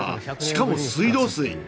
しかも水道水。